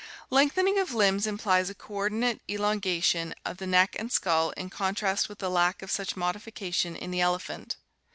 Lengthening of limbs implies a coordinate elongation of the neck and skull in contrast with the lack of such modification in the elephant.